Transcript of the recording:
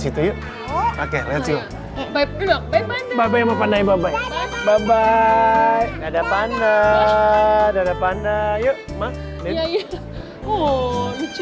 semua pandai bye bye bye bye ada panah dada panah yuk maksudnya oh